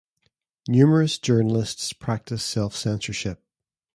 Numerous journalists practice self-censorship.